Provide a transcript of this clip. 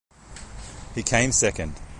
He came second.